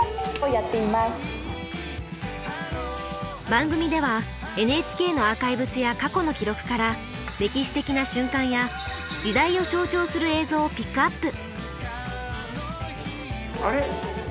番組ではＮＨＫのアーカイブスや過去の記録から歴史的な瞬間や時代を象徴する映像をピックアップ。